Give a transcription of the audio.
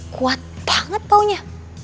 kuat banget baunya